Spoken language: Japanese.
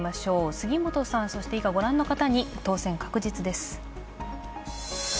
杉本さん以下、御覧の方に当選確実です。